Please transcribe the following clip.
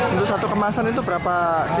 untuk satu kemasan itu berapa